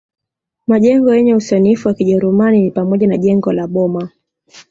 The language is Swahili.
Majengo yenye usanifu wa kijerumani ni pamoja na jengo la Boma